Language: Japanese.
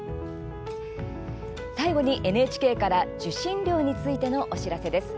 最後にＮＨＫから受信料についてのお知らせです。